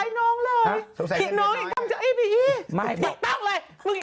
ไม่กรี๊ดมากเลยทำไรล่ะกู